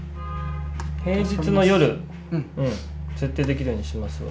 平日の夜設定できるようにしますわ。